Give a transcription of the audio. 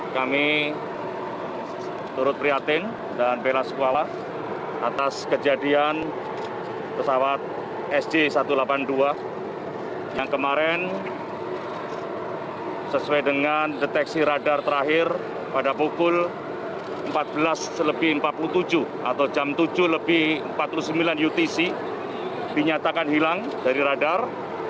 kami turut prihatin dan beras kuala atas kejadian pesawat sj satu ratus delapan puluh dua yang kemarin sesuai dengan deteksi radar terakhir pada pukul empat belas empat puluh tujuh atau jam tujuh empat puluh sembilan utc dinyatakan hilang dari radar